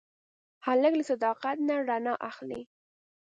هلک له صداقت نه رڼا اخلي.